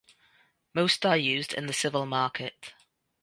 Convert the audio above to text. Most are used in the civil market.